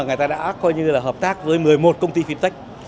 người ta đã coi như là hợp tác với một mươi một công ty fintech